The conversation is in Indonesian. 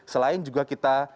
selain juga kita